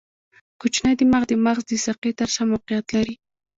کوچنی دماغ د مغز د ساقې تر شا موقعیت لري.